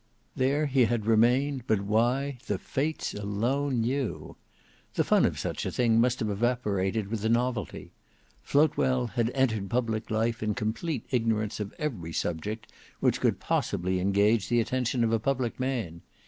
There he had remained, but why, the Fates alone knew. The fun of such a thing must have evaporated with the novelty. Floatwell had entered public life in complete ignorance of every subject which could possibly engage the attention of a public man.